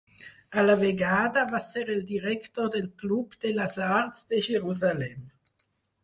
A la vegada, va ser el director del Club de les Arts de Jerusalem.